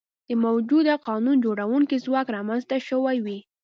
د موجوده قانون جوړوونکي ځواک رامنځته شوي وي.